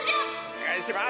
お願いします。